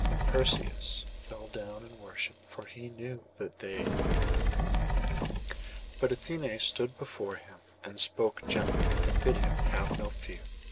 And Perseus fell down and worshipped, for he knew that they were more than man. But Athené stood before him and spoke gently, and bid him have no fear.